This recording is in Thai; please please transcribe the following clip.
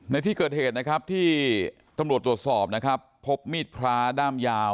ในที่เกิดเหตุนะครับที่ตำรวจตรวจสอบนะครับพบมีดพระด้ามยาว